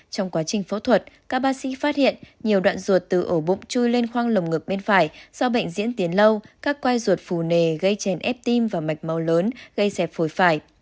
trong quá trình phẫu thuật các bác sĩ phát hiện nhiều đoạn ruột từ ổ bụng trôi lên khoang lồng ngực bên phải do bệnh diễn tiến lâu các khoai ruột phù nề gây chèn ép tim và mạch máu lớn gây xẹp phổi phải